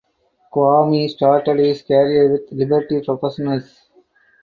Kwame started his career with Liberty Professionals.